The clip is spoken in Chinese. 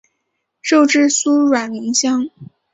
肉质酥软浓香。